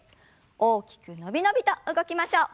大きくのびのびと動きましょう。